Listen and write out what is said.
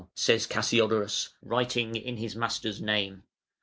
says Cassiodorus, writing in his master's name.